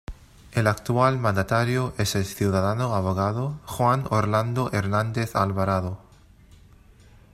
El actual mandatario es el ciudadano abogado Juan Orlando Hernández Alvarado.